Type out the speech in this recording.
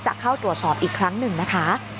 จะเข้าตรวจสอบอีกครั้งหนึ่งนะคะ